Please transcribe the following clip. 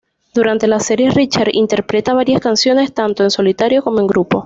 Durante la serie Richard interpreta varias canciones tanto en solitario como en grupo.